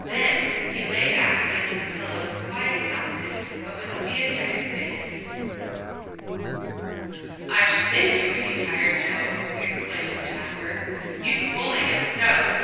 Then he lay back against the pillows quite exhausted, but with a beatific face. "I should think you would be tired, Joe," exclaimed Jasper, "you've bullied us so.